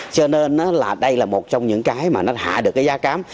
cho nên là đây là một trong những cái mà nó hạ được cái giá cám